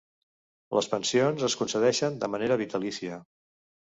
Les pensions es concedeixen de manera vitalícia.